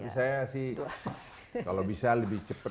tapi saya sih kalau bisa lebih cepet